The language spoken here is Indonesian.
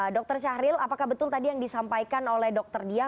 dokter syahril apakah betul tadi yang disampaikan oleh dokter dia